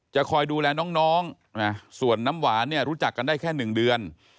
คอยดูแลน้องส่วนน้ำหวานเนี่ยรู้จักกันได้แค่๑เดือน